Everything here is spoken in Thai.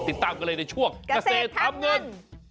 ติดตามกันเลยในช่วงเกษตรทำเงิน